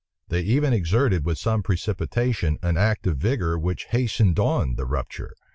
They even exerted, with some precipitation, an act of vigor which hastened on the rupture.